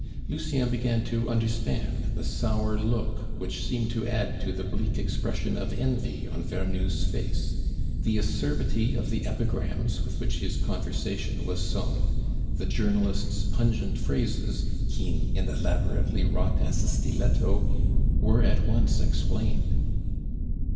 Lucien began to understand the sour look which seemed to add to the bleak expression of envy on Vernou's face; the acerbity of the epigrams with which his conversation was sown, the journalist's pungent phrases, keen and elaborately wrought as a stiletto, were at once explained.